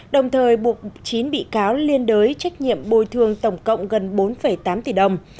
đồng thời buộc chín bị cáo liên đối trách nhiệm bồi thường tổng cộng gần bốn tám tỷ đồng